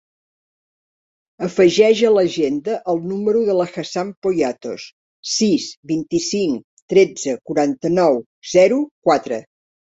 Afegeix a l'agenda el número de l'Hassan Poyatos: sis, vint-i-cinc, tretze, quaranta-nou, zero, quatre.